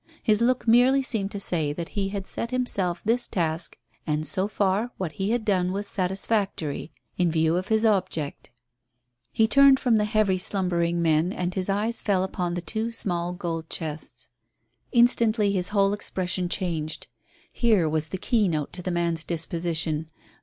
His look merely seemed to say that he had set himself this task, and, so far, what he had done was satisfactory in view of his object. He turned from the heavy slumbering men and his eyes fell upon the two small gold chests. Instantly his whole expression changed. Here was the keynote to the man's disposition.